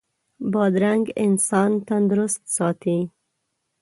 بادرنګ انسان تندرست ساتي.